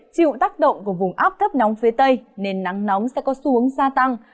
chịu tác động của vùng áp thấp nóng phía tây nên nắng nóng sẽ có xu hướng gia tăng